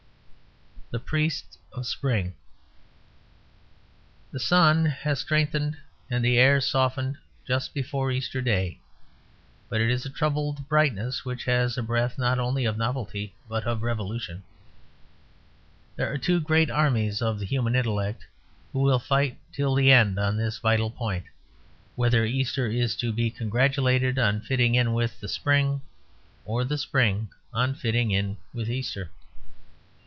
THE PRIEST OF SPRING The sun has strengthened and the air softened just before Easter Day. But it is a troubled brightness which has a breath not only of novelty but of revolution, There are two great armies of the human intellect who will fight till the end on this vital point, whether Easter is to be congratulated on fitting in with the Spring or the Spring on fitting in with Easter.